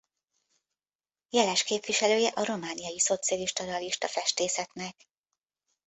Jeles képviselője a romániai szocialista realista festészetnek.